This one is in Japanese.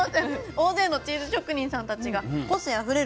大勢のチーズ職人さんたちが個性あふれる